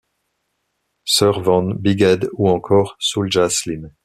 Serv-On, Big Ed ou encore Soulja Slim.